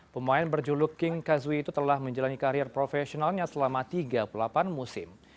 pemain berjuluk king kazui itu telah menjalani karir profesionalnya selama tiga puluh delapan musim